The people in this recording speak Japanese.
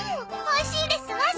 おいしいですわしん様。